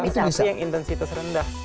tapi yang intensitas rendah